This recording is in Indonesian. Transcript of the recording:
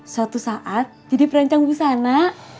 suatu saat jadi perancang busana